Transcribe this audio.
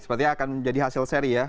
sepertinya akan menjadi hasil seri ya